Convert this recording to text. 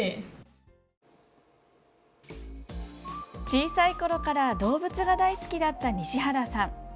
小さいころから動物が大好きだった西原さん。